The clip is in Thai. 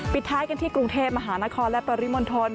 ท้ายกันที่กรุงเทพมหานครและปริมณฑล